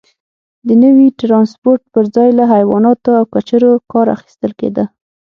د نوي ټرانسپورت پرځای له حیواناتو او کچرو کار اخیستل کېده.